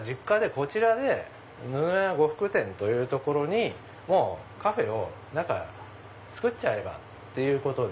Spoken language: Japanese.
こちらでぬのや呉服店という所にカフェをつくっちゃえばっていうことで。